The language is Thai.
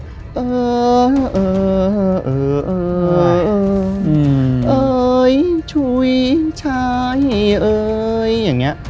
เอ่อเอ่อเอ่อเอ่อเอ่อเอ่อช่วยชายเอ่ยอย่างเงี้ย